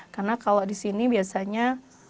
karena kalau di sini biasanya